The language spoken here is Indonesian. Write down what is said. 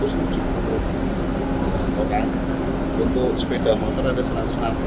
untuk sepeda motor ada satu ratus enam puluh